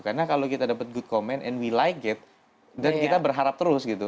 karena kalau kita dapat good comment and we like it dan kita berharap terus gitu